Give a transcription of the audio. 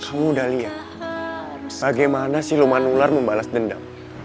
kamu udah lihat bagaimana si luman ular membalas dendam